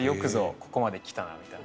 ここまできたなみたいな。